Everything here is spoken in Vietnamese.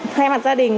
thay mặt gia đình